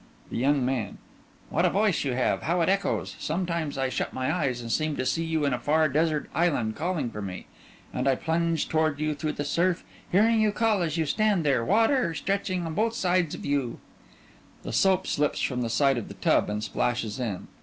THE YOUNG MAN: What a voice you have! How it echoes! Sometimes I shut my eyes and seem to see you in a far desert island calling for me. And I plunge toward you through the surf, hearing you call as you stand there, water stretching on both sides of you (_The soap slips from the side of the tub and splashes in.